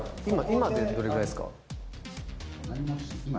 今どれぐらいですか？